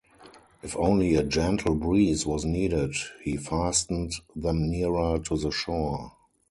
If only a gentle breeze was needed, he fastened them nearer to the shore.